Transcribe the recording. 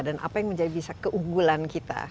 dan apa yang menjadi bisa keunggulan kita